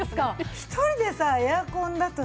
一人でさエアコンだとさ